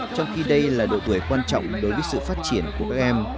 trong khi đây là độ tuổi quan trọng đối với sự phát triển của các em